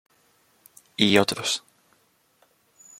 Y otros.